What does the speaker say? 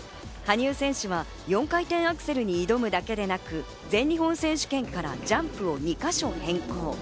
羽生選手は４回転アクセルに挑むだけでなく、全日本選手権からジャンプを２か所変更。